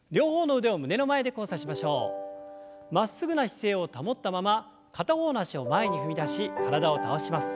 まっすぐな姿勢を保ったまま片方の脚を前に踏み出し体を倒します。